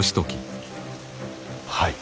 はい。